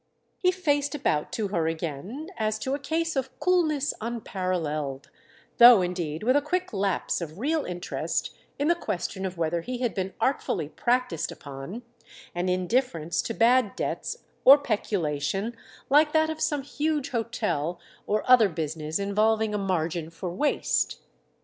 He faced about to her again as to a case of coolness unparalleled—though indeed with a quick lapse of real interest in the question of whether he had been artfully practised upon; an indifference to bad debts or peculation like that of some huge hotel or other business involving a margin for waste.